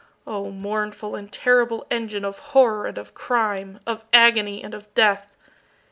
O, mournful and terrible engine of horror and of crime of agony and of death!